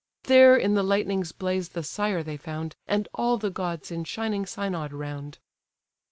There in the lightning's blaze the sire they found, And all the gods in shining synod round.